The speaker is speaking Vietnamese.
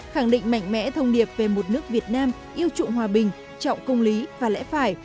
khẳng định mạnh mẽ thông điệp về một nước việt nam yêu trụng hòa bình trọng công lý và lẽ phải